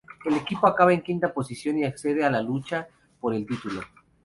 El equipo acaba en quinta posición y accede a la lucha por el título.